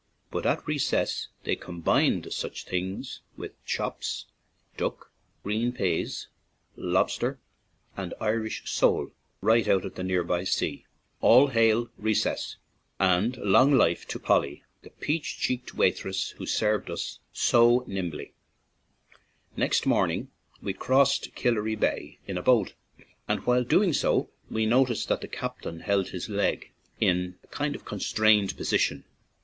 But at Recess they combined such things with chops, duck, green pease, lobster, and Irish sole right out of the near by sea. All hail, Recess! And long life 7i ON AN IRISH JAUNTING CAR to Polly, the peach cheeked waitress who served us so nimbly ! Next morning we crossed Killary Bay in a boat, and while doing so we noticed that the captain held his leg in a very constrained position.